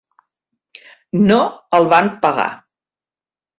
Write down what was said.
No el van pagar.